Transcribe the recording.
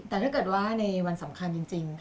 แต่ถ้าเกิดว่าในวันสำคัญจริง